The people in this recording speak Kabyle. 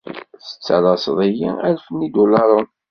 Tettalaseḍ-iyi alef n yidulaṛen.